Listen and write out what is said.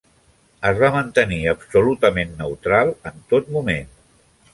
Es va mantenir absolutament neutral en tot moment.